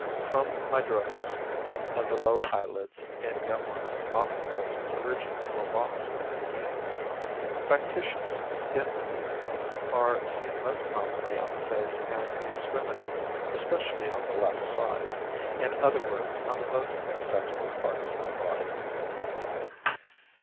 Chromidrosis of the lower eyelids in young women often owes its origin to a box of paints. Factitious skin diseases are seen most commonly on the face and extremities, especially on the left side in other words, on the most accessible parts of the body.